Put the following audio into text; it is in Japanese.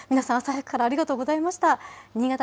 皆さん、朝早くからありがとうございました。